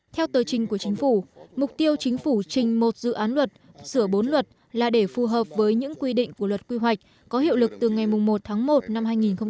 theo tờ trình của chính phủ mục tiêu chính phủ trình một dự án luật sửa bốn luật là để phù hợp với những quy định của luật quy hoạch có hiệu lực từ ngày một tháng một năm hai nghìn hai mươi